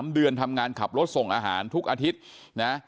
๓เดือนทำงานขับรถส่งอาหารทุกอาทิตย์นะ